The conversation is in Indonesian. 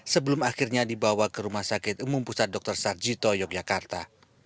sebelum akhirnya dibawa ke rumah sakit umum pusat dr sarjito yogyakarta